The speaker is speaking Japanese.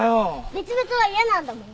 別々は嫌なんだもん。